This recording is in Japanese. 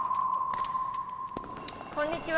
こんにちは！